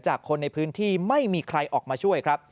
จากคนในพื้นที่ไม่มีใครออกมาช่วย